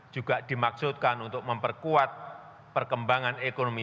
juga dimaksudkan untuk memperkuat perkembangan ekonomi